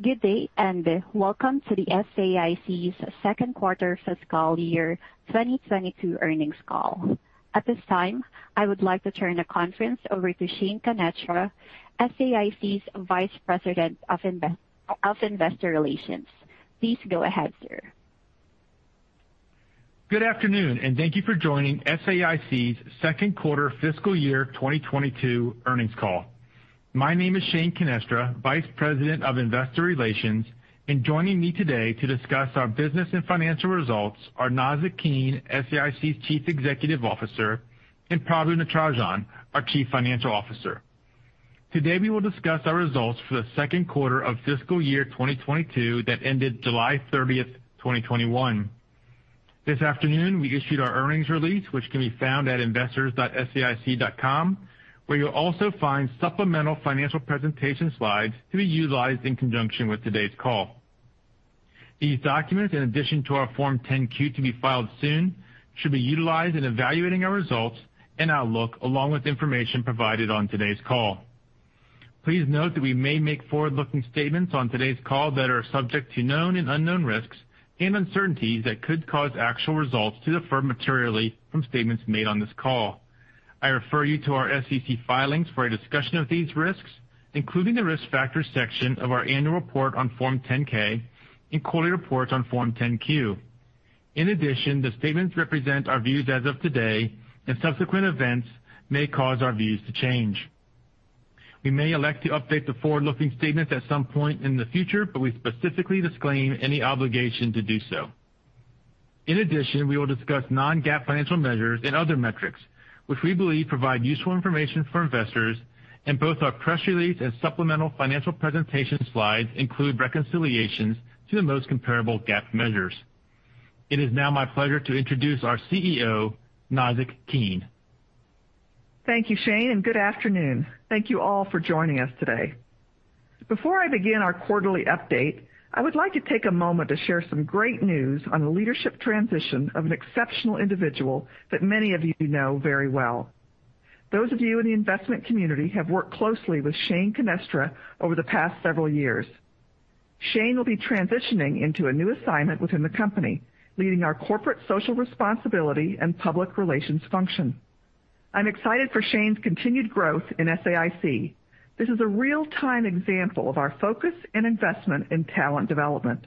Good day, and welcome to the SAIC's second quarter fiscal year 2022 earnings call. At this time, I would like to turn the conference over to Shane Canestra, SAIC's Vice President of Investor Relations. Please go ahead, sir. Good afternoon, and thank you for joining SAIC's second quarter fiscal year 2022 earnings call. My name is Shane Canestra, Vice President of Investor Relations, and joining me today to discuss our business and financial results are Nazzic Keene, SAIC's Chief Executive Officer, and Prabu Natarajan, our Chief Financial Officer. Today, we will discuss our results for the second quarter of fiscal year 2022 that ended July 30th, 2021. This afternoon, we issued our earnings release, which can be found at investors.saic.com, where you'll also find supplemental financial presentation slides to be utilized in conjunction with today's call. These documents, in addition to our Form 10-Q to be filed soon, should be utilized in evaluating our results and outlook along with information provided on today's call. Please note that we may make forward-looking statements on today's call that are subject to known and unknown risks and uncertainties that could cause actual results to differ materially from statements made on this call. I refer you to our SEC filings for a discussion of these risks, including the risk factors section of our annual report on Form 10-K and quarterly reports on Form 10-Q. In addition, the statements represent our views as of today, and subsequent events may cause our views to change. We may elect to update the forward-looking statements at some point in the future, but we specifically disclaim any obligation to do so. In addition, we will discuss non-GAAP financial measures and other metrics, which we believe provide useful information for investors, and both our press release and supplemental financial presentation slides include reconciliations to the most comparable GAAP measures. It is now my pleasure to introduce our CEO, Nazzic Keene. Thank you, Shane. Good afternoon. Thank you all for joining us today. Before I begin our quarterly update, I would like to take a moment to share some great news on the leadership transition of an exceptional individual that many of you know very well. Those of you in the investment community have worked closely with Shane Canestra over the past several years. Shane will be transitioning into a new assignment within the company, leading our corporate social responsibility and public relations function. I'm excited for Shane's continued growth in SAIC. This is a real-time example of our focus and investment in talent development.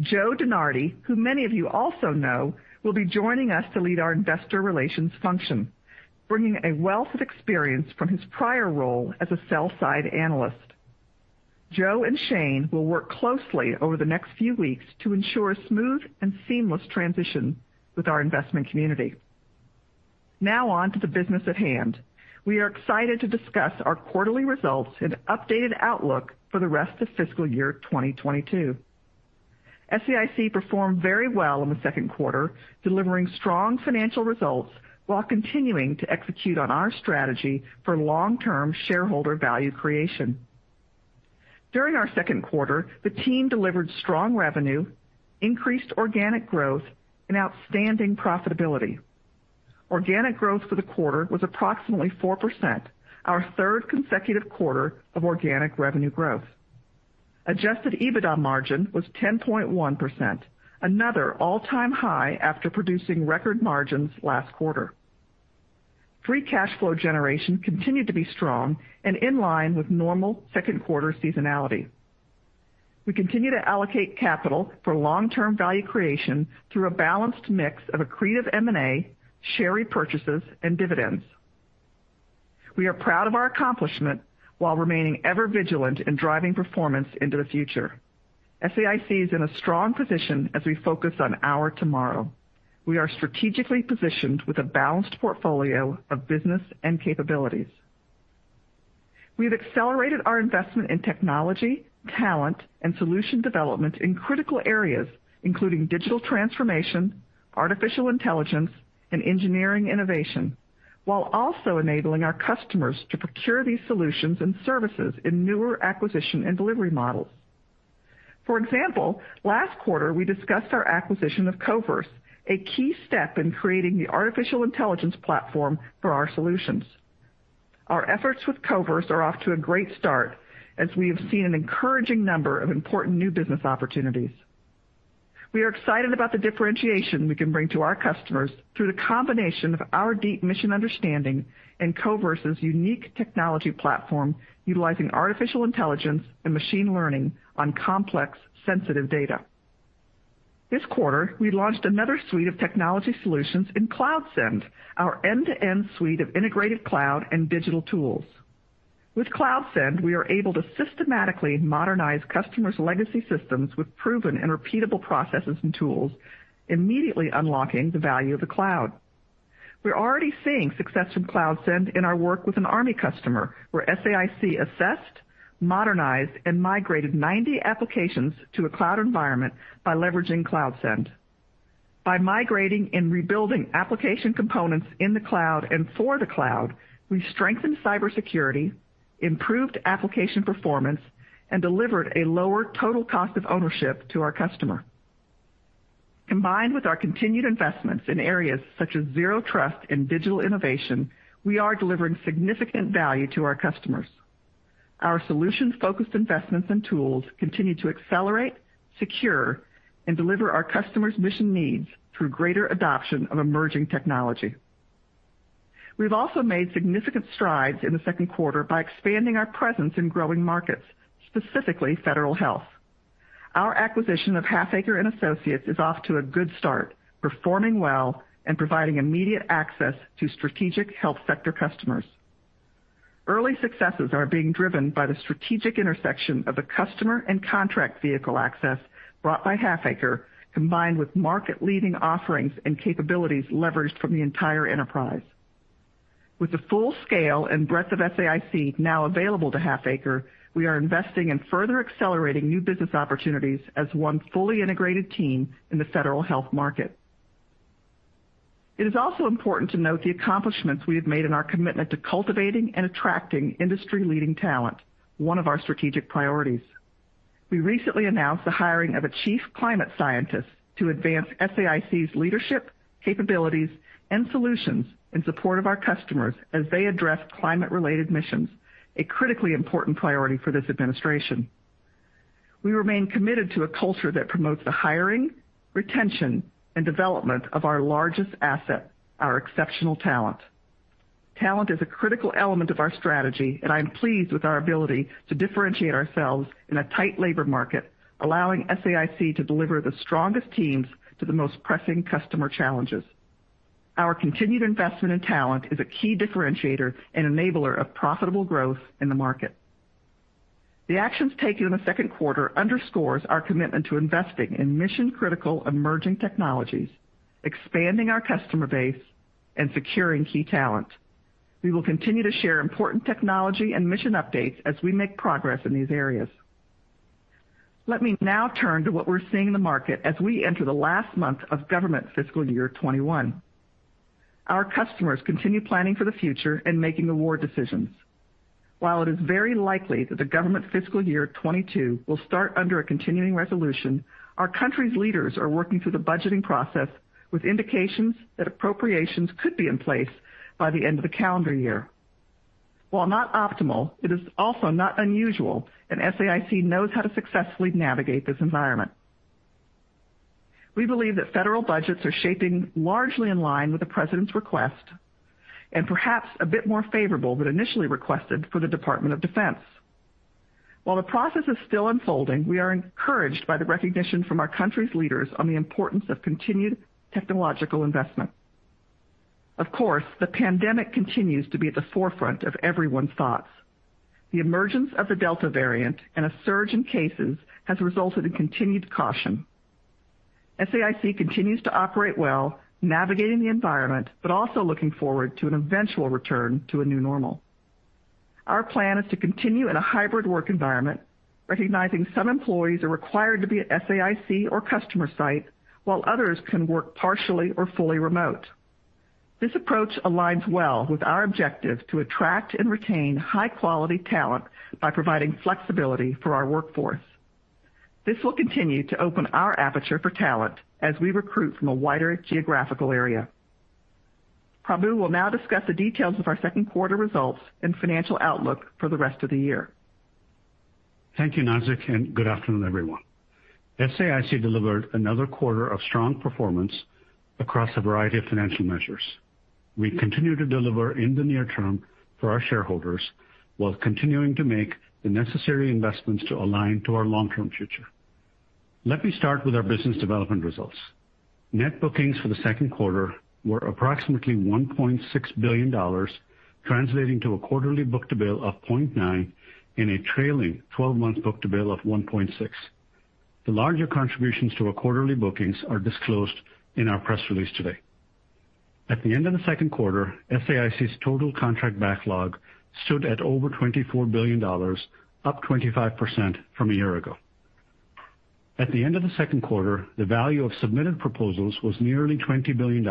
Joe DeNardi, who many of you also know, will be joining us to lead our investor relations function, bringing a wealth of experience from his prior role as a sell-side analyst. Joe and Shane will work closely over the next few weeks to ensure a smooth and seamless transition with our investment community. Now on to the business at hand. We are excited to discuss our quarterly results and updated outlook for the rest of fiscal year 2022. SAIC performed very well in the second quarter, delivering strong financial results while continuing to execute on our strategy for long-term shareholder value creation. During our second quarter, the team delivered strong revenue, increased organic growth, and outstanding profitability. Organic growth for the quarter was approximately 4%, our third consecutive quarter of organic revenue growth. Adjusted EBITDA margin was 10.1%, another all-time high after producing record margins last quarter. Free cash flow generation continued to be strong and in line with normal second quarter seasonality. We continue to allocate capital for long-term value creation through a balanced mix of accretive M&A, share repurchases, and dividends. We are proud of our accomplishment while remaining ever vigilant in driving performance into the future. SAIC is in a strong position as we focus on our tomorrow. We are strategically positioned with a balanced portfolio of business and capabilities. We have accelerated our investment in technology, talent, and solution development in critical areas, including digital transformation, artificial intelligence, and engineering innovation, while also enabling our customers to procure these solutions and services in newer acquisition and delivery models. For example, last quarter, we discussed our acquisition of Koverse, a key step in creating the artificial intelligence platform for our solutions. Our efforts with Koverse are off to a great start, as we have seen an encouraging number of important new business opportunities. We are excited about the differentiation we can bring to our customers through the combination of our deep mission understanding and Koverse's unique technology platform utilizing artificial intelligence and machine learning on complex sensitive data. This quarter, we launched another suite of technology solutions in CloudScend, our end-to-end suite of integrated cloud and digital tools. With CloudScend, we are able to systematically modernize customers' legacy systems with proven and repeatable processes and tools, immediately unlocking the value of the cloud. We're already seeing success from CloudScend in our work with a U.S. Army customer, where SAIC assessed, modernized, and migrated 90 applications to a cloud environment by leveraging CloudScend. By migrating and rebuilding application components in the cloud and for the cloud, we strengthened cybersecurity, improved application performance, and delivered a lower total cost of ownership to our customer. Combined with our continued investments in areas such as zero trust and digital innovation, we are delivering significant value to our customers. Our solutions-focused investments and tools continue to accelerate, secure, and deliver our customers' mission needs through greater adoption of emerging technology. We've also made significant strides in the second quarter by expanding our presence in growing markets, specifically federal health. Our acquisition of Halfaker and Associates is off to a good start, performing well and providing immediate access to strategic health sector customers. Early successes are being driven by the strategic intersection of the customer and contract vehicle access brought by Halfaker, combined with market-leading offerings and capabilities leveraged from the entire enterprise. With the full scale and breadth of SAIC now available to Halfaker, we are investing in further accelerating new business opportunities as one fully integrated team in the federal health market. It is also important to note the accomplishments we have made in our commitment to cultivating and attracting industry-leading talent, one of our strategic priorities. We recently announced the hiring of a chief climate scientist to advance SAIC's leadership, capabilities, and solutions in support of our customers as they address climate-related missions, a critically important priority for this administration. We remain committed to a culture that promotes the hiring, retention, and development of our largest asset, our exceptional talent. Talent is a critical element of our strategy, and I'm pleased with our ability to differentiate ourselves in a tight labor market, allowing SAIC to deliver the strongest teams to the most pressing customer challenges. Our continued investment in talent is a key differentiator and enabler of profitable growth in the market. The actions taken in the second quarter underscores our commitment to investing in mission-critical emerging technologies, expanding our customer base, and securing key talent. We will continue to share important technology and mission updates as we make progress in these areas. Let me now turn to what we're seeing in the market as we enter the last month of government fiscal year 2021. Our customers continue planning for the future and making award decisions. While it is very likely that the government fiscal year 2022 will start under a continuing resolution, our country's leaders are working through the budgeting process with indications that appropriations could be in place by the end of the calendar year. While not optimal, it is also not unusual, and SAIC knows how to successfully navigate this environment. We believe that federal budgets are shaping largely in line with the president's request and perhaps a bit more favorable than initially requested for the Department of Defense. While the process is still unfolding, we are encouraged by the recognition from our country's leaders on the importance of continued technological investment. Of course, the pandemic continues to be at the forefront of everyone's thoughts. The emergence of the Delta variant and a surge in cases has resulted in continued caution. SAIC continues to operate well, navigating the environment, but also looking forward to an eventual return to a new normal. Our plan is to continue in a hybrid work environment, recognizing some employees are required to be at SAIC or customer site, while others can work partially or fully remote. This approach aligns well with our objective to attract and retain high-quality talent by providing flexibility for our workforce. This will continue to open our aperture for talent as we recruit from a wider geographical area. Prabu will now discuss the details of our second quarter results and financial outlook for the rest of the year. Thank you, Nazzic, and good afternoon, everyone. SAIC delivered another quarter of strong performance across a variety of financial measures. We continue to deliver in the near term for our shareholders while continuing to make the necessary investments to align to our long-term future. Let me start with our business development results. Net bookings for the second quarter were approximately $1.6 billion, translating to a quarterly book-to-bill of 0.9 and a trailing 12-month book-to-bill of 1.6. The larger contributions to our quarterly bookings are disclosed in our press release today. At the end of the second quarter, SAIC's total contract backlog stood at over $24 billion, up 25% from a year ago. At the end of the second quarter, the value of submitted proposals was nearly $20 billion,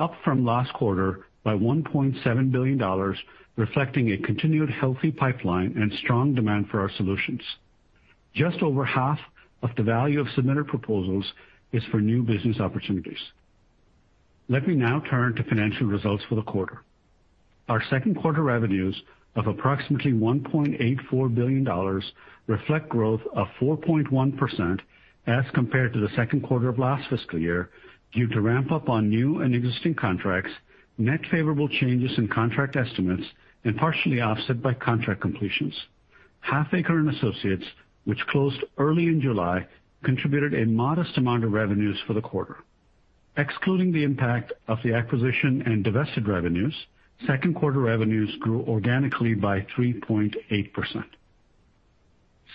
up from last quarter by $1.7 billion, reflecting a continued healthy pipeline and strong demand for our solutions. Just over half of the value of submitted proposals is for new business opportunities. Let me now turn to financial results for the quarter. Our second quarter revenues of approximately $1.84 billion reflect growth of 4.1% as compared to the second quarter of last fiscal year, due to ramp-up on new and existing contracts, net favorable changes in contract estimates, and partially offset by contract completions. Halfaker and Associates, which closed early in July, contributed a modest amount of revenues for the quarter. Excluding the impact of the acquisition and divested revenues, second quarter revenues grew organically by 3.8%.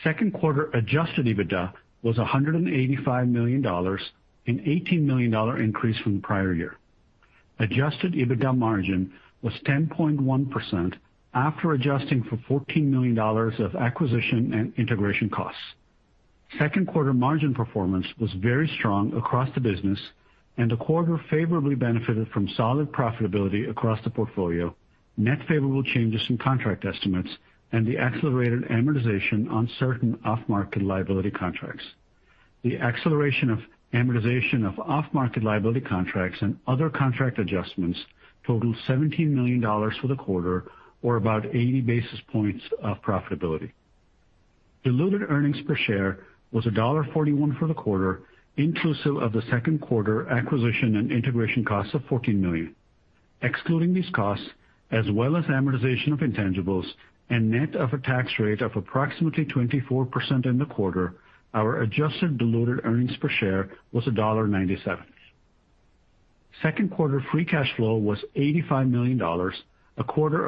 Second quarter adjusted EBITDA was $185 million, an $18 million increase from the prior year. Adjusted EBITDA margin was 10.1% after adjusting for $14 million of acquisition and integration costs. Second quarter margin performance was very strong across the business. The quarter favorably benefited from solid profitability across the portfolio, net favorable changes in contract estimates, and the accelerated amortization on certain off-market liability contracts. The acceleration of amortization of off-market liability contracts and other contract adjustments totaled $17 million for the quarter, or about 80 basis points of profitability. Diluted earnings per share was $1.41 for the quarter, inclusive of the second quarter acquisition and integration costs of $14 million. Excluding these costs, as well as amortization of intangibles and net of a tax rate of approximately 24% in the quarter, our adjusted diluted earnings per share was $1.97. Second quarter free cash flow was $85 million, 1/4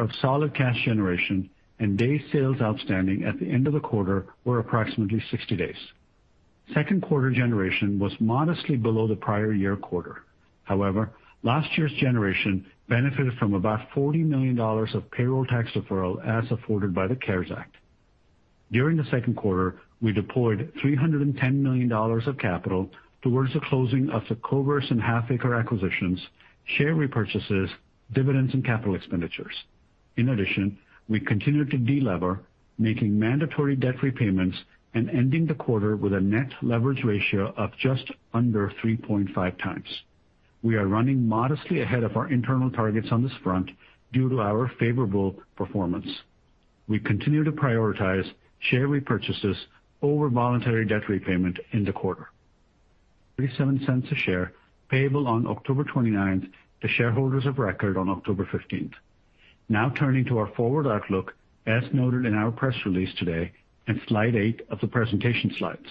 of solid cash generation, and days sales outstanding at the end of the quarter were approximately 60 days. Second quarter generation was modestly below the prior year quarter. Last year's generation benefited from about $40 million of payroll tax deferral as afforded by the CARES Act. During the second quarter, we deployed $310 million of capital towards the closing of the Koverse and Halfaker acquisitions, share repurchases, dividends, and capital expenditures. We continued to de-lever, making mandatory debt repayments and ending the quarter with a net leverage ratio of just under 3.5 times. We are running modestly ahead of our internal targets on this front due to our favorable performance. We continue to prioritize share repurchases over voluntary debt repayment in the quarter. $0.37 a share, payable on October 29th to shareholders of record on October 15th. Turning to our forward outlook, as noted in our press release today and slide 8 of the presentation slides.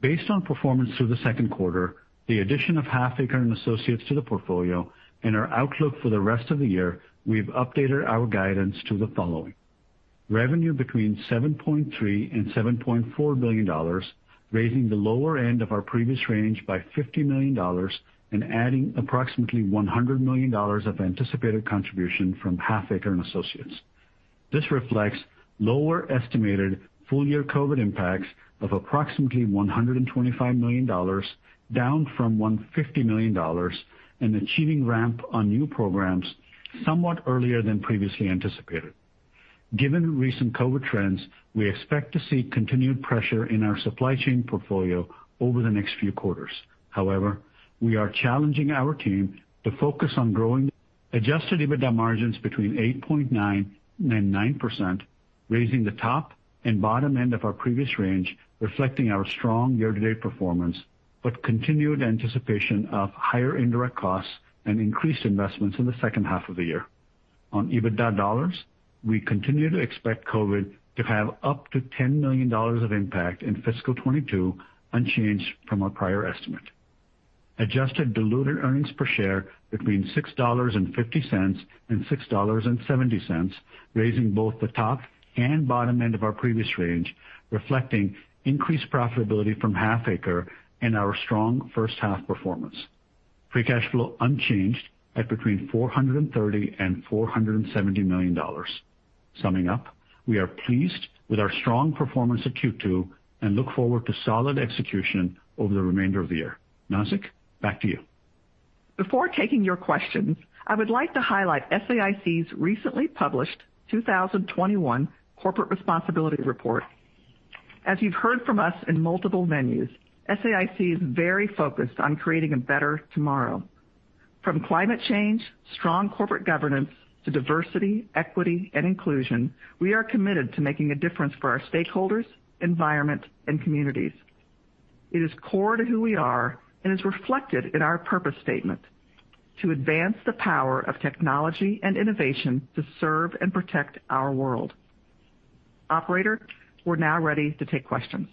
Based on performance through the second quarter, the addition of Halfaker and Associates to the portfolio and our outlook for the rest of the year, we've updated our guidance to the following. Revenue between $7.3 billion and $7.4 billion, raising the lower end of our previous range by $50 million and adding approximately $100 million of anticipated contribution from Halfaker and Associates. This reflects lower estimated full-year COVID impacts of approximately $125 million, down from $150 million, and achieving ramp on new programs somewhat earlier than previously anticipated. Given recent COVID trends, we expect to see continued pressure in our supply chain portfolio over the next few quarters. However, we are challenging our team to focus on growing. Adjusted EBITDA margins between 8.9% and 9%, raising the top and bottom end of our previous range, reflecting our strong year-to-date performance, but continued anticipation of higher indirect costs and increased investments in the second half of the year. On EBITDA dollars, we continue to expect COVID to have up to $10 million of impact in fiscal 2022, unchanged from our prior estimate. Adjusted diluted earnings per share between $6.50 and $6.70, raising both the top and bottom end of our previous range, reflecting increased profitability from Halfaker and our strong first half performance. Free cash flow unchanged at between $430 million and $470 million. Summing up, we are pleased with our strong performance at Q2 and look forward to solid execution over the remainder of the year. Nazzic, back to you. Before taking your questions, I would like to highlight SAIC's recently published 2021 Corporate Responsibility Report. As you've heard from us in multiple venues, SAIC is very focused on creating a better tomorrow. From climate change, strong corporate governance, to diversity, equity, and inclusion, we are committed to making a difference for our stakeholders, environment, and communities. It is core to who we are and is reflected in our purpose statement: to advance the power of technology and innovation to serve and protect our world. Operator, we're now ready to take questions.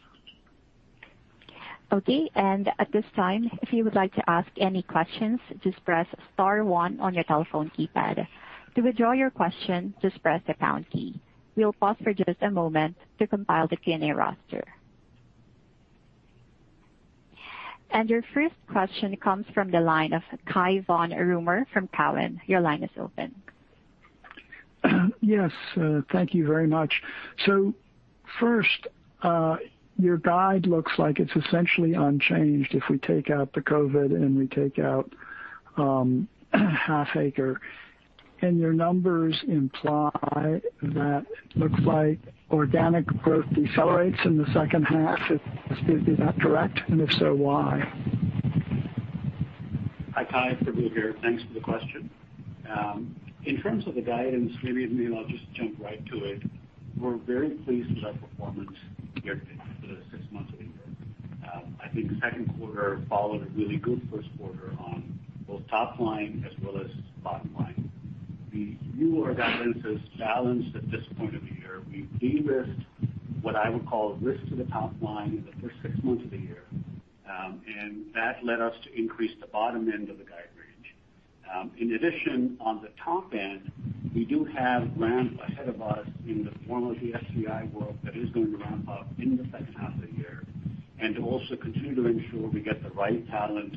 Okay. At this time, if you would like to ask any questions, just press star one on your telephone keypad. To withdraw your question, just press the pound key. We'll pause for just a moment to compile the Q&A roster. Your first question comes from the line of Cai von Rumohr from Cowen. Your line is open. Yes, thank you very much. First, your guide looks like it's essentially unchanged if we take out the COVID and we take out Halfaker. Your numbers imply that looks like organic growth decelerates in the second half. Is that correct? If so, why? Hi, Cai. Prabu here. Thanks for the question. In terms of the guidance, maybe I'll just jump right to it. We're very pleased with our performance year-to-date for the six months of the year. I think second quarter followed a really good first quarter on both top line as well as bottom line. We view our guidance as balanced at this point of the year. We de-risked what I would call risk to the top line in the first six months of the year, and that led us to increase the bottom end of the guide range. In addition, on the top end, we do have ramp ahead of us in the form of the S3I work that is going to ramp up in the second half of the year and to also continue to ensure we get the right talent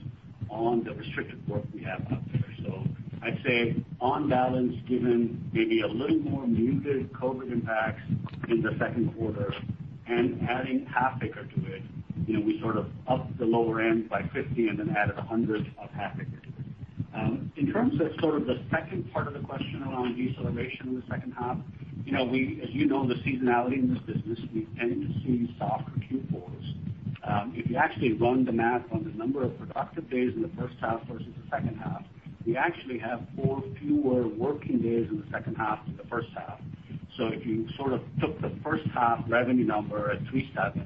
on the restricted work we have out there. I'd say on balance, given maybe a little more muted COVID impacts in the second quarter and adding Halfaker to it, we sort of upped the lower end by $50 and then added $100 of Halfaker to it. In terms of the second part of the question around deceleration in the second half, as you know, the seasonality in this business, we tend to see softer Q4s. If you actually run the math on the number of productive days in the first half versus the second half, we actually have four fewer working days in the second half than the first half. If you took the first half revenue number at $3.7,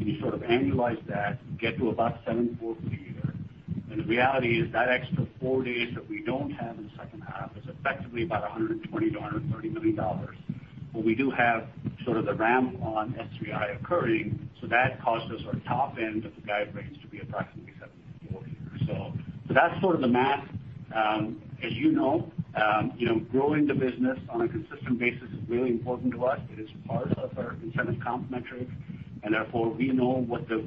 and you annualize that, you get to about $74 for the year. The reality is that extra four days that we don't have in the second half is effectively about $120 million-$130 million. We do have sort of the ramp on S3I occurring, so that causes our top end of the guide range to be approximately 74 here. That's sort of the math. As you know, growing the business on a consistent basis is really important to us. It is part of our incentive comp metrics, and therefore, we know what the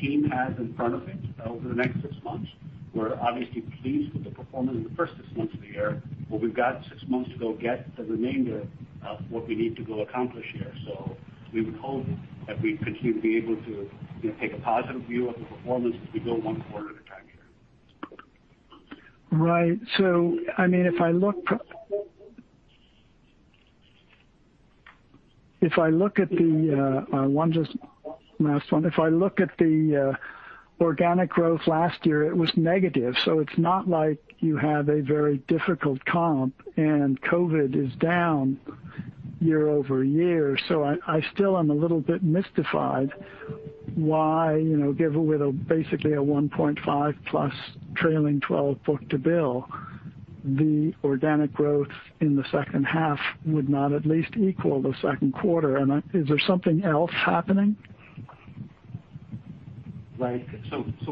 team has in front of it over the next six months. We're obviously pleased with the performance in the first six months of the year, but we've got six months to go get the remainder of what we need to go accomplish here. We would hope that we'd continue to be able to take a positive view of the performance as we go 1 quarter at a time here. Right. If I look at the last one. If I look at the organic growth last year, it was negative. It's not like you have a very difficult comp, and COVID is down year-over-year. I still am a little bit mystified why, given with a basically a 1.5+ trailing 12 book-to-bill, the organic growth in the second half would not at least equal the second quarter. Is there something else happening? Right.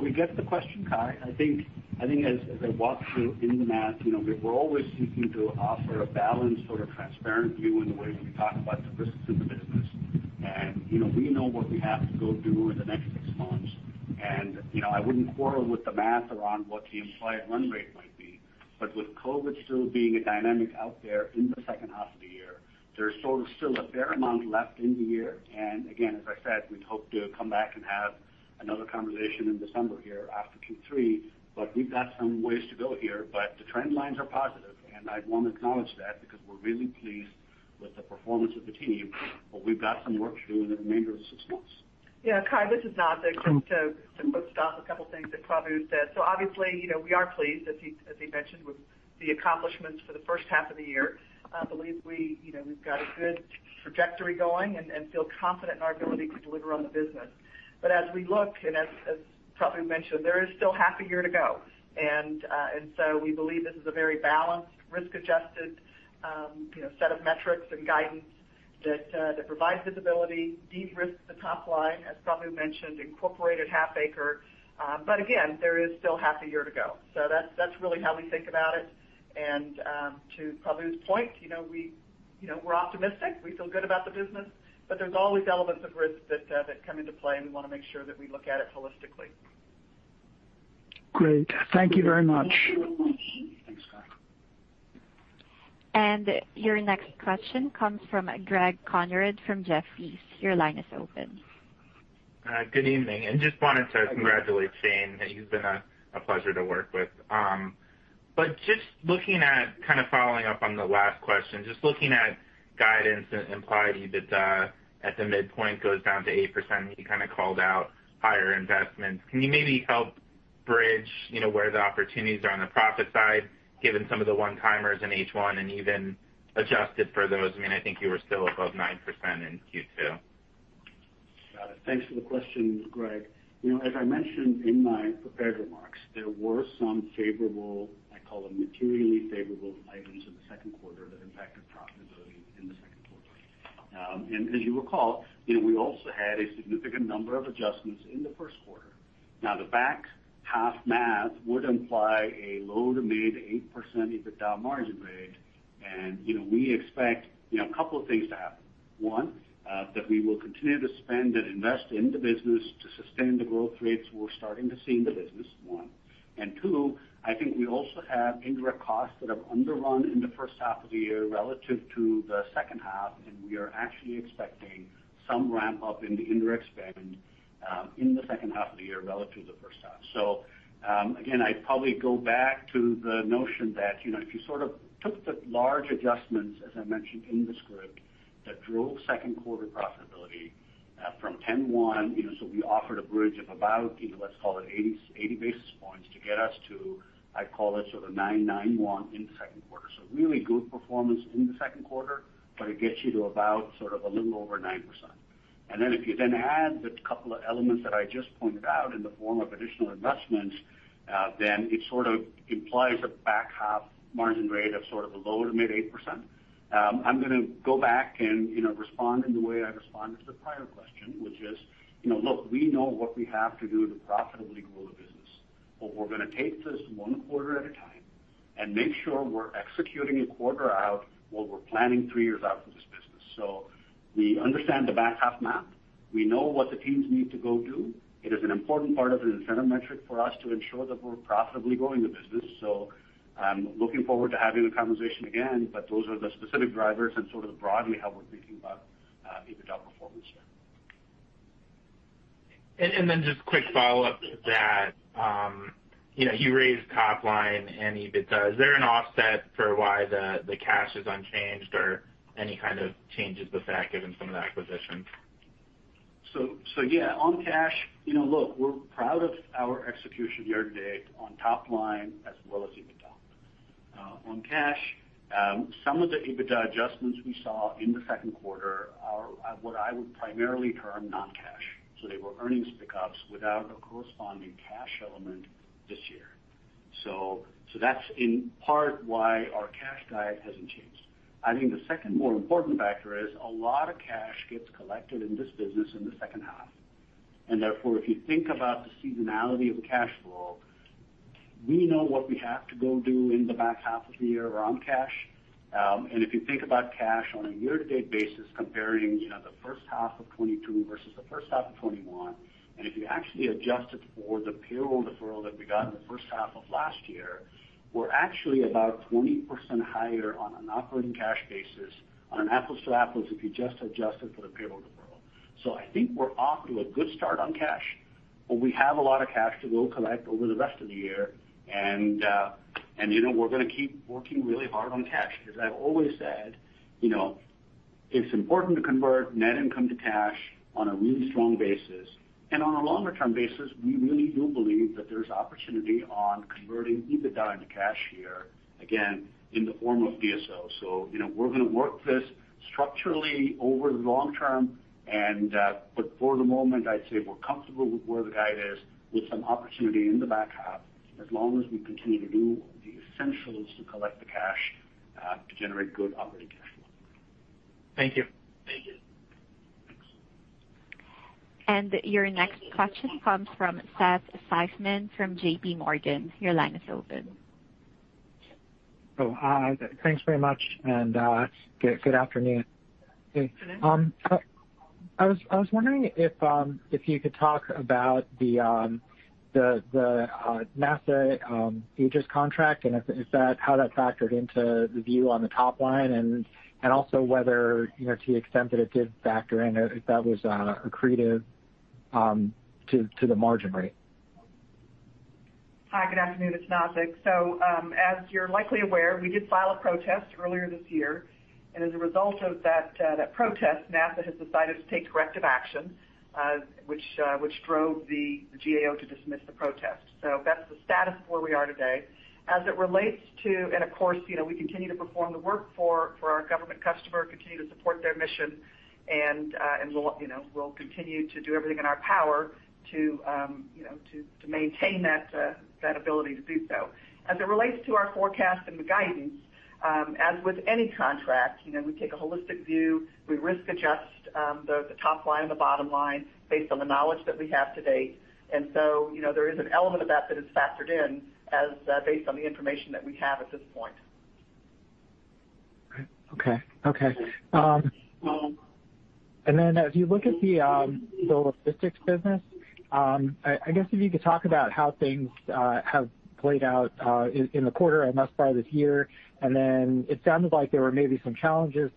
We get the question, Cai. I think as I walk through in the math, we're always seeking to offer a balanced, sort of transparent view in the way we talk about the risks in the business. We know what we have to go do in the next six months. I wouldn't quarrel with the math around what the implied run rate might be. With COVID still being a dynamic out there in the second half of the year, there's sort of still a fair amount left in the year. Again, as I said, we'd hope to come back and have another conversation in December here after Q3, but we've got some ways to go here. The trend lines are positive, and I'd want to acknowledge that because we're really pleased with the performance of the team. We've got some work to do in the remainder of the 6 months. Yeah, Cai, this is Nazzic Keene. Just to bookend a couple of things that Prabu Natarajan said. Obviously, we are pleased, as he mentioned, with the accomplishments for the first half of the year. I believe we've got a good trajectory going and feel confident in our ability to deliver on the business. As we look, and as Prabu Natarajan mentioned, there is still half a year to go. We believe this is a very balanced, risk-adjusted set of metrics and guidance that provides visibility, de-risks the top line, as Prabu Natarajan mentioned, incorporated Halfaker. Again, there is still half a year to go. That's really how we think about it. To Prabu Natarajan's point, we're optimistic. We feel good about the business, but there's always elements of risk that come into play, and we want to make sure that we look at it holistically. Great. Thank you very much. Thanks, Cai. Your next question comes from Greg Konrad from Jefferies. Your line is open. Good evening. Just wanted to congratulate Shane. You've been a pleasure to work with. Just looking at kind of following up on the last question, just looking at guidance and implied EBITDA at the midpoint goes down to 8%, and you kind of called out higher investments. Can you maybe help bridge where the opportunities are on the profit side, given some of the one-timers in H1 and even adjusted for those? I think you were still above 9% in Q2. Got it. Thanks for the question, Greg. As I mentioned in my prepared remarks, there were some favorable, I call them materially favorable items in the second quarter that impacted profitability in the second quarter. As you recall, we also had a significant number of adjustments in the first quarter. The back half math would imply a low to mid 8% EBITDA margin rate. We expect a couple of things to happen. One, that we will continue to spend and invest in the business to sustain the growth rates we're starting to see in the business, one. Two, I think we also have indirect costs that have underrun in the first half of the year relative to the second half, and we are actually expecting some ramp-up in the indirect spend in the second half of the year relative to the first half. Again, I'd probably go back to the notion that if you sort of took the large adjustments, as I mentioned in the script, that drove second quarter profitability from 10.1%. We offered a bridge of about, let's call it 80 basis points to get us to, I'd call it sort of 9.91% in the second quarter. Really good performance in the second quarter, but it gets you to about sort of a little over 9%. If you then add the couple of elements that I just pointed out in the form of additional investments, it sort of implies a back half margin rate of sort of a low to mid 8%. I'm going to go back and respond in the way I responded to the prior question, which is, look, we know what we have to do to profitably grow the business. We're going to take this one quarter at a time and make sure we're executing a quarter out while we're planning three years out for this business. We understand the back-half map. We know what the teams need to go do. It is an important part of an incentive metric for us to ensure that we're profitably growing the business. I'm looking forward to having the conversation again, but those are the specific drivers and sort of broadly how we're thinking about EBITDA performance. Just quick follow-up to that. You raised top line and EBITDA. Is there an offset for why the cash is unchanged or any kind of changes with that given some of the acquisitions? Yeah. On cash, look, we're proud of our execution year-to-date on top line as well as EBITDA. On cash, some of the EBITDA adjustments we saw in the second quarter are what I would primarily term non-cash. They were earnings pick-ups without a corresponding cash element this year. That's in part why our cash guide hasn't changed. I think the second more important factor is a lot of cash gets collected in this business in the second half, and therefore, if you think about the seasonality of the cash flow, we know what we have to go do in the back half of the year around cash. If you think about cash on a year-to-date basis, comparing the first half of 2022 versus the first half of 2021, if you actually adjusted for the payroll deferral that we got in the first half of last year, we're actually about 20% higher on an operating cash basis on an apples-to-apples if you just adjusted for the payroll deferral. I think we're off to a good start on cash. We have a lot of cash that we'll collect over the rest of the year, and we're going to keep working really hard on cash because I've always said it's important to convert net income to cash on a really strong basis. On a longer-term basis, we really do believe that there's opportunity on converting EBITDA into cash here, again, in the form of DSO. We're going to work this structurally over the long term, but for the moment, I'd say we're comfortable with where the guide is with some opportunity in the back half as long as we continue to do the essentials to collect the cash to generate good operating cash flow. Thank you. Thank you. Your next question comes from Seth Seifman from JPMorgan. Your line is open. Oh, thanks very much. Good afternoon. Good afternoon. I was wondering if you could talk about the NASA AEGIS contract, and how that factored into the view on the top line, and also whether to the extent that it did factor in, if that was accretive to the margin rate? Hi, good afternoon. It's Nazzic. As you're likely aware, we did file a protest earlier this year, and as a result of that protest, NASA has decided to take corrective action, which drove the GAO to dismiss the protest. That's the status of where we are today. Of course, we continue to perform the work for our government customer, continue to support their mission, and we'll continue to do everything in our power to maintain that ability to do so. As it relates to our forecast and the guidance, as with any contract, we take a holistic view. We risk adjust the top line and the bottom line based on the knowledge that we have to date. There is an element of that is factored in based on the information that we have at this point. Okay. If you look at the logistics business, I guess if you could talk about how things have played out in the quarter and thus far this year. It sounded like there were maybe some challenges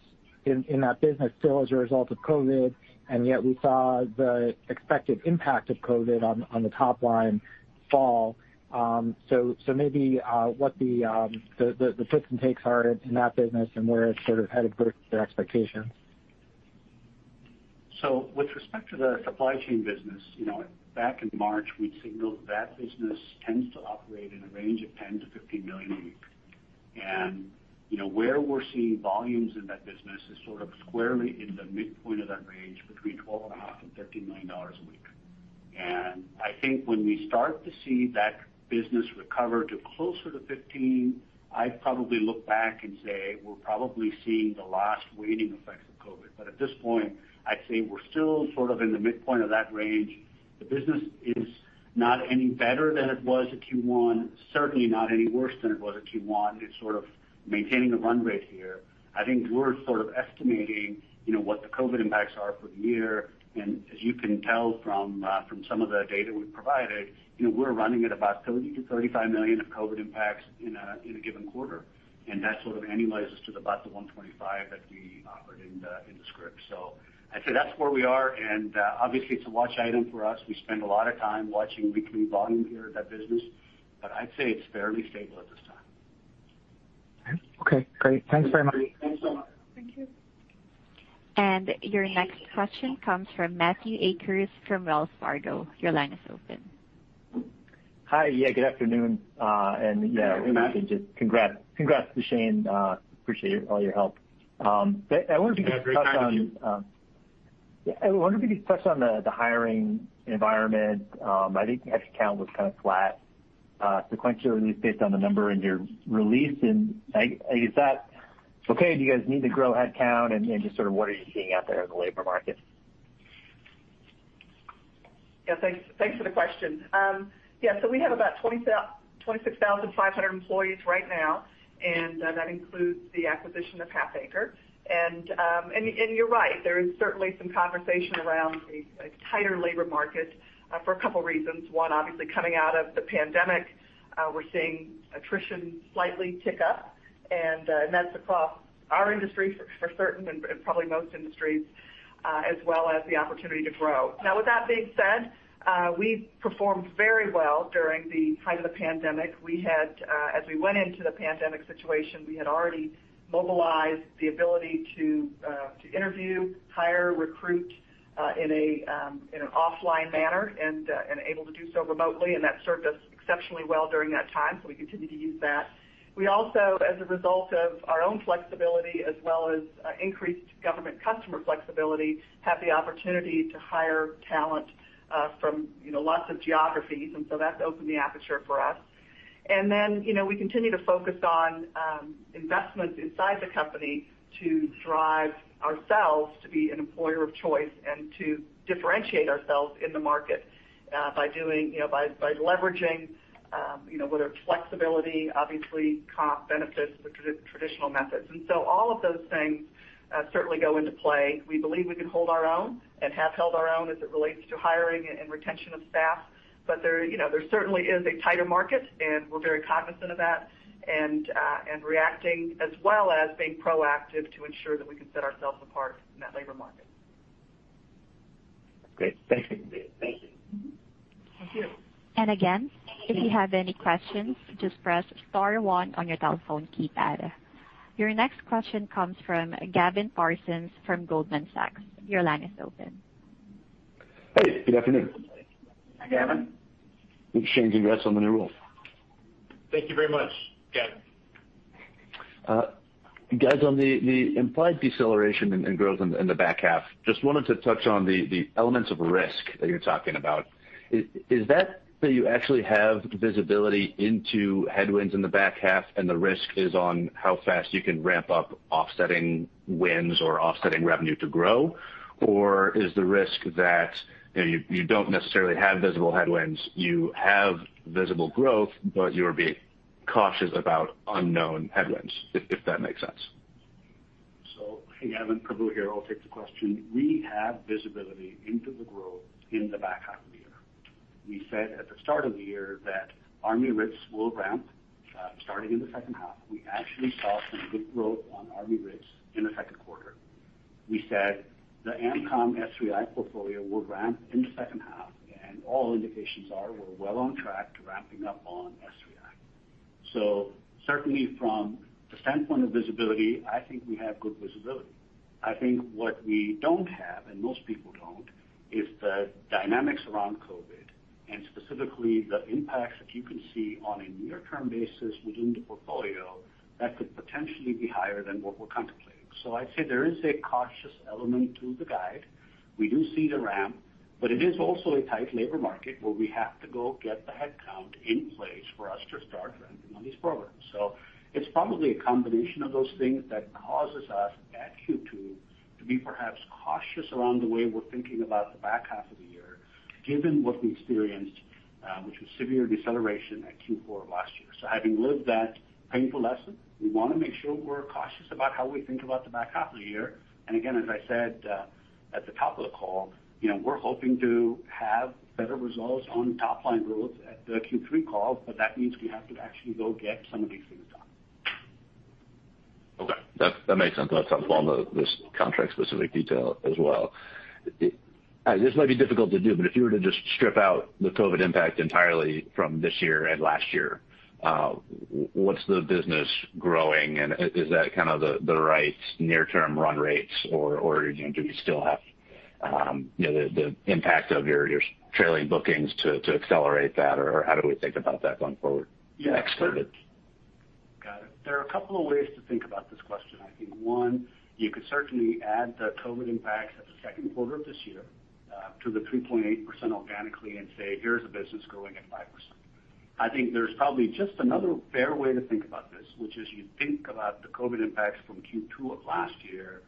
in that business still as a result of COVID, and yet we saw the expected impact of COVID on the top line fall. Maybe what the puts and takes are in that business and where it sort of had your expectations. With respect to the supply chain business, back in March, we signaled that business tends to operate in a range of $10 million-$15 million a week. Where we're seeing volumes in that business is sort of squarely in the midpoint of that range, between $12.5 million and $15 million a week. I think when we start to see that business recover to closer to $15 million, I'd probably look back and say we're probably seeing the last waiting effects of COVID. At this point, I'd say we're still sort of in the midpoint of that range. The business is not any better than it was at Q1, certainly not any worse than it was at Q1. It's sort of maintaining a run rate here. I think we're sort of estimating what the COVID impacts are for the year, and as you can tell from some of the data we've provided, we're running at about $30 million-$35 million of COVID impacts in a given quarter, and that sort of annualizes to the bouts of $125 million that we offered in the script. I'd say that's where we are, and obviously, it's a watch item for us. We spend a lot of time watching weekly volume here at that business, but I'd say it's fairly stable at this time. Okay, great. Thanks very much. Thanks so much. Thank you. Your next question comes from Matthew Akers from Wells Fargo. Your line is open. Hi. Yeah, good afternoon. Hey, Matthew. Yeah, congrats to Shane. Appreciate all your help. Yeah, great talking to you. I wonder if you could touch on the hiring environment? I think headcount was kind of flat sequentially based on the number in your release. Is that okay? Do you guys need to grow headcount? Just sort of what are you seeing out there in the labor market? Thanks for the question. We have about 26,500 employees right now, and that includes the acquisition of Halfaker. You're right, there is certainly some conversation around a tighter labor market for a couple of reasons. One, obviously, coming out of the pandemic, we're seeing attrition slightly tick up, that's across our industry for certain, and probably most industries, as well as the opportunity to grow. With that being said, we performed very well during the height of the pandemic. As we went into the pandemic situation, we had already mobilized the ability to interview, hire, recruit in an offline manner and able to do so remotely, that served us exceptionally well during that time. We continue to use that. We also, as a result of our own flexibility as well as increased government customer flexibility, have the opportunity to hire talent from lots of geographies, and so that's opened the aperture for us. Then, we continue to focus on investments inside the company to drive ourselves to be an employer of choice and to differentiate ourselves in the market by leveraging, whether flexibility, obviously comp benefits, the traditional methods. So all of those things certainly go into play. We believe we can hold our own and have held our own as it relates to hiring and retention of staff. There certainly is a tighter market, and we're very cognizant of that and reacting as well as being proactive to ensure that we can set ourselves apart in that labor market. Great. Thanks. Thank you. Again, if you have any questions, just press star one on your telephone keypad. Your next question comes from Gavin Parsons from Goldman Sachs. Hey, good afternoon. Hi, Gavin. Shane, congrats on the new role. Thank you very much, Gavin. Guys, on the implied deceleration in growth in the back half, just wanted to touch on the elements of risk that you're talking about. Is that you actually have visibility into headwinds in the back half and the risk is on how fast you can ramp up offsetting winds or offsetting revenue to grow? Or is the risk that you don't necessarily have visible headwinds, you have visible growth, but you are being cautious about unknown headwinds? If that makes sense? Hey, Gavin, Prabu here. I'll take the question. We have visibility into the growth in the back half of the year. We said at the start of the year that Army RITS will ramp, starting in the second half. We actually saw some good growth on Army RITS in the second quarter. We said the AMCOM S3I portfolio will ramp in the second half. All indications are we're well on track to ramping up on S3I. Certainly from the standpoint of visibility, I think we have good visibility. I think what we don't have, and most people don't, is the dynamics around COVID, specifically the impacts that you can see on a near-term basis within the portfolio that could potentially be higher than what we're contemplating. I'd say there is a cautious element to the guide. We do see the ramp, but it is also a tight labor market where we have to go get the headcount in place for us to start ramping on these programs. It's probably a combination of those things that causes us at Q2 to be perhaps cautious around the way we're thinking about the back half of the year, given what we experienced, which was severe deceleration at Q4 of last year. Having lived that painful lesson, we want to make sure we're cautious about how we think about the back half of the year. Again, as I said at the top of the call, we're hoping to have better results on top-line growth at the Q3 call, but that means we have to actually go get some of these things done. Okay. That makes sense. That's along this contract-specific detail as well. This might be difficult to do, but if you were to just strip out the COVID impact entirely from this year and last year, what's the business growing? Is that kind of the right near-term run rates or do you still have the impact of your trailing bookings to accelerate that? How do we think about that going forward? Yeah. ex-COVID? Got it. There are two ways to think about this question. I think one, you could certainly add the COVID impacts of the second quarter of this year to the 3.8% organically and say, "Here is a business growing at 5%." I think there is probably just another fair way to think about this, which is you think about the COVID impacts from Q2 of last year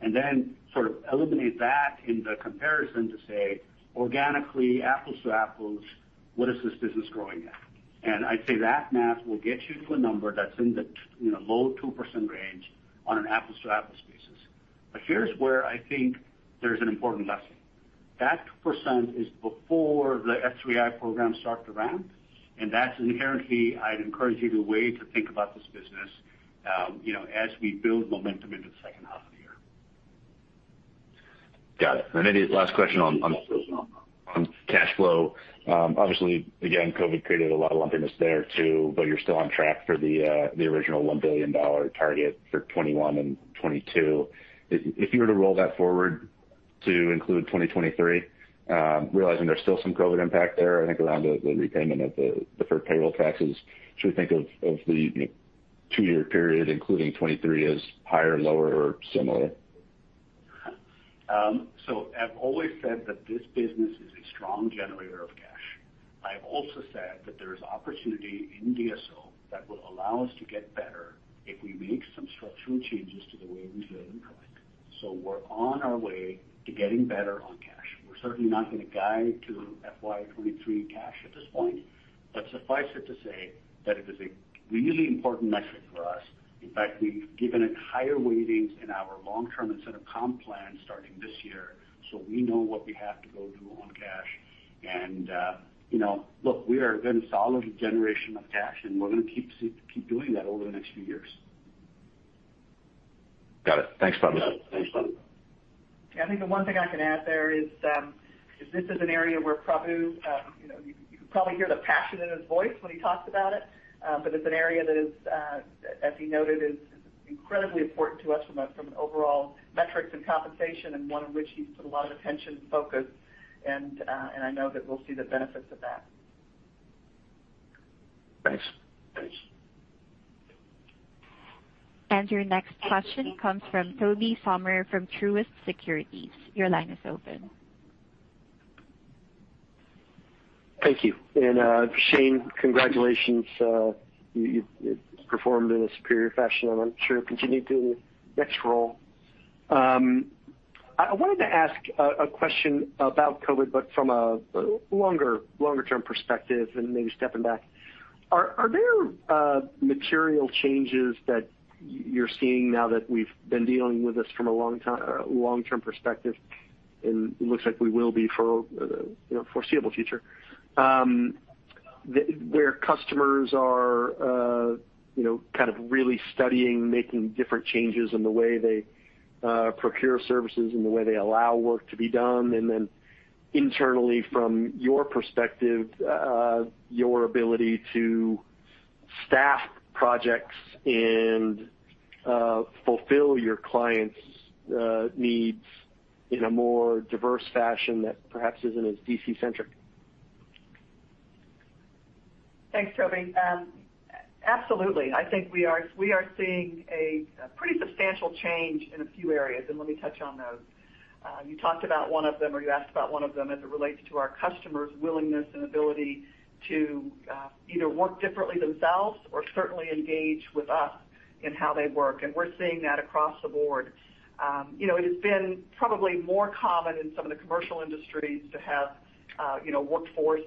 and then sort of eliminate that in the comparison to say, organically, apples to apples, what is this business growing at? I would say that math will get you to a number that is in the low 2% range on an apples-to-apples basis. Here is where I think there is an important lesson. That 2% is before the S3I program starts to ramp, and that's inherently, I'd encourage you to wait to think about this business as we build momentum into the second half of the year. Got it. Then last question on cash flow. Obviously, again, COVID created a lot of lumpiness there, too, but you're still on track for the original $1 billion target for 2021 and 2022. If you were to roll that forward to include 2023, realizing there's still some COVID impact there, I think around the repayment of the deferred payroll taxes, should we think of the two-year period, including 2023, as higher, lower, or similar? I've always said that this business is a strong generator of cash. I've also said that there is opportunity in DSO that will allow us to get better if we make some structural changes to the way we bill and collect. We're on our way to getting better on cash. We're certainly not going to guide to FY 2023 cash at this point, but suffice it to say that it is a really important metric for us. In fact, we've given it higher weightings in our long-term incentive comp plan starting this year, so we know what we have to go do on cash. Look, we are in a solid generation of cash, and we're going to keep doing that over the next few years. Got it. Thanks, Prabu. Thanks. I think the one thing I can add there is, this is an area where Prabu, you can probably hear the passion in his voice when he talks about it. It's an area that is, as he noted, is incredibly important to us from an overall metrics and compensation and one in which he's put a lot of attention and focus, and I know that we'll see the benefits of that. Thanks. Thanks. Your next question comes from Tobey Sommer from Truist Securities. Your line is open. Thank you. Shane, congratulations. You've performed in a superior fashion and I'm sure continue to in the next role. I wanted to ask a question about COVID, but from a longer-term perspective and maybe stepping back. Are there material changes that you're seeing now that we've been dealing with this from a long-term perspective, and it looks like we will be for the foreseeable future, where customers are kind of really studying, making different changes in the way they procure services and the way they allow work to be done? Internally, from your perspective, your ability to staff projects and fulfill your clients' needs in a more diverse fashion that perhaps isn't as D.C.-centric? Thanks, Tobey. Absolutely. I think we are seeing a pretty substantial change in a few areas, and let me touch on those. You talked about one of them, or you asked about one of them as it relates to our customers' willingness and ability to either work differently themselves or certainly engage with us in how they work, and we're seeing that across the board. It has been probably more common in some of the commercial industries to have workforce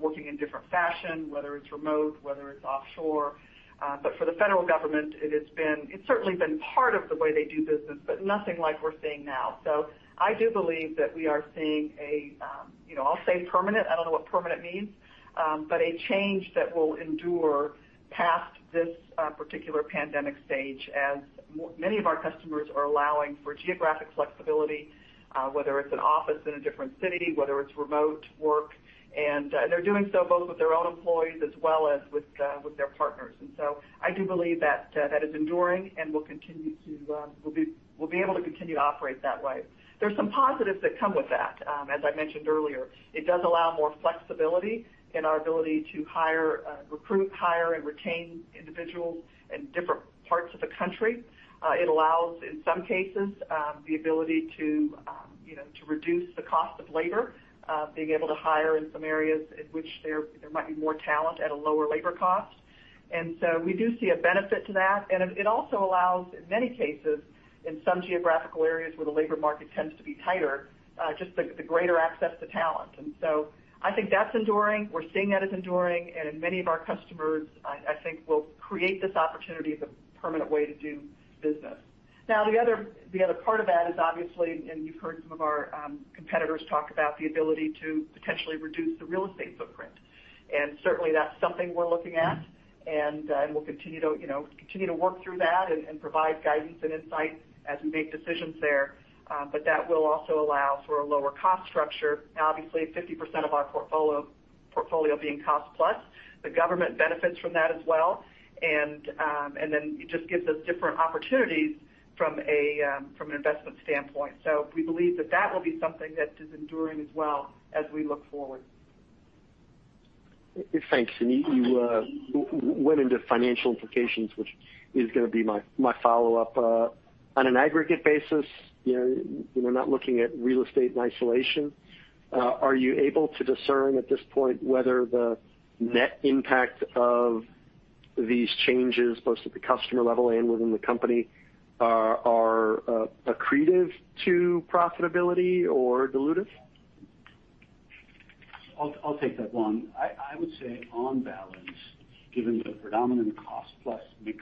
working in different fashion, whether it's remote, whether it's offshore. For the federal government, it's certainly been part of the way they do business, but nothing like we're seeing now. I do believe that we are seeing a, I'll say permanent, I don't know what permanent means, but a change that will endure past this particular pandemic stage as many of our customers are allowing for geographic flexibility, whether it's an office in a different city, whether it's remote work, and they're doing so both with their own employees as well as with their partners. I do believe that that is enduring and we'll be able to continue to operate that way. There's some positives that come with that. As I mentioned earlier, it does allow more flexibility in our ability to recruit, hire, and retain individuals in different parts of the country. It allows, in some cases, the ability to reduce the cost of labor, being able to hire in some areas in which there might be more talent at a lower labor cost. We do see a benefit to that, and it also allows, in many cases, in some geographical areas where the labor market tends to be tighter, just the greater access to talent. I think that's enduring. We're seeing that as enduring, and many of our customers, I think, will create this opportunity as a permanent way to do business. Now, the other part of that is obviously, and you've heard some of our competitors talk about the ability to potentially reduce the real estate footprint. Certainly, that's something we're looking at, and we'll continue to work through that and provide guidance and insight as we make decisions there. That will also allow for a lower cost structure. Obviously, 50% of our portfolio being cost-plus, the government benefits from that as well, and then it just gives us different opportunities from an investment standpoint. We believe that that will be something that is enduring as well as we look forward. Thanks. You went into financial implications, which is going to be my follow-up. On an aggregate basis, not looking at real estate in isolation, are you able to discern at this point whether the net impact of these changes, both at the customer level and within the company, are accretive to profitability or dilutive? I'll take that one. I would say on balance, given the predominant cost-plus mix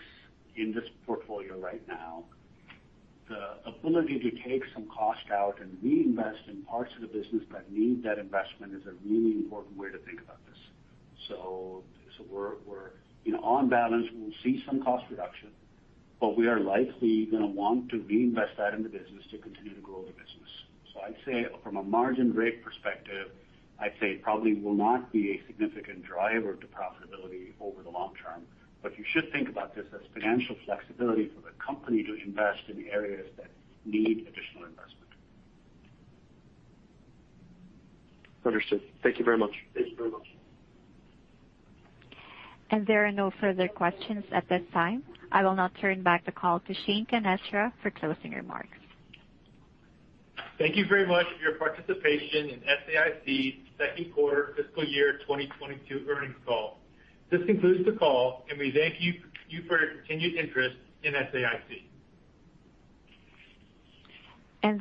in this portfolio right now, the ability to take some cost out and reinvest in parts of the business that need that investment is a really important way to think about this. On balance, we'll see some cost reduction, but we are likely going to want to reinvest that in the business to continue to grow the business. I'd say from a margin rate perspective, I'd say it probably will not be a significant driver to profitability over the long term. You should think about this as financial flexibility for the company to invest in areas that need additional investment. Understood. Thank you very much. Thank you very much. There are no further questions at this time. I will now turn back the call to Shane Canestra for closing remarks. Thank you very much for your participation in SAIC's second quarter fiscal year 2022 earnings call. This concludes the call, and we thank you for your continued interest in SAIC.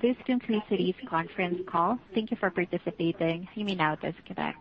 This concludes today's conference call. Thank you for participating. You may now disconnect.